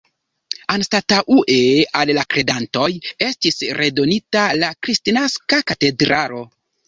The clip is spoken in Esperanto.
Anstataŭe al la kredantoj estis redonita la Kristnaska katedralo.